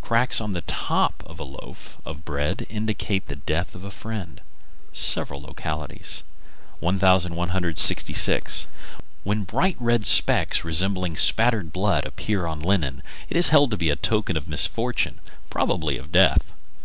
Cracks on the top of a loaf of bread indicate the death of a friend. Several localities. 1166. When bright red specks resembling spattered blood appear on linen, it is held to be a token of misfortune, probably of death.